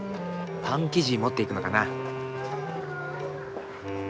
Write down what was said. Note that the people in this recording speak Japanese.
パン生地持っていくのかな。